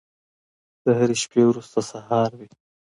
د هرې شپې وروسته سهار وي.